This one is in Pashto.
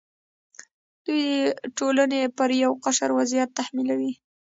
دوی د ټولنې پر یو قشر وضعیت تحمیلوي.